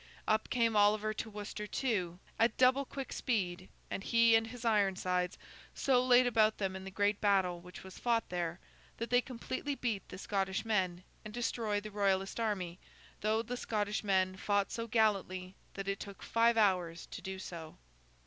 Up came Oliver to Worcester too, at double quick speed, and he and his Ironsides so laid about them in the great battle which was fought there, that they completely beat the Scottish men, and destroyed the Royalist army; though the Scottish men fought so gallantly that it took five hours to do.